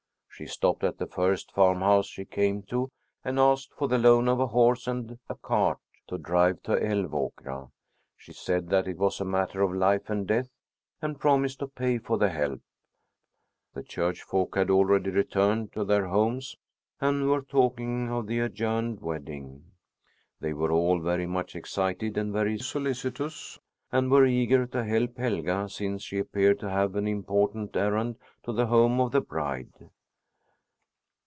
She stopped at the first farmhouse she came to and asked for the loan of a horse and car to drive to Älvåkra. She said that it was a matter of life and death and promised to pay for the help. The church folk had already returned to their homes and were talking of the adjourned wedding. They were all very much excited and very solicitous and were eager to help Helga, since she appeared to have an important errand to the home of the bride.